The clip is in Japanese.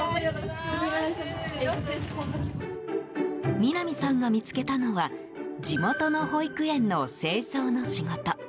南さんが見つけたのは地元の保育園の清掃の仕事。